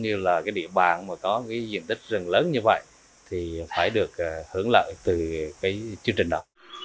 như là địa bàn có diện tích rừng lớn như vậy thì phải được hưởng lợi từ chương trình đó